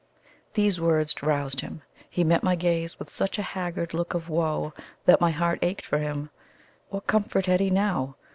These words roused him. He met my gaze with such a haggard look of woe that my heart ached for him. What comfort had he now?